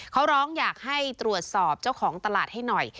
เขาร้องอยากให้ตรวจสอบเจ้าของตลาดให้หน่อย